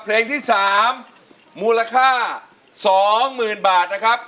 เพลงที่๓มูลค่า๒๐๐๐บาทนะครับ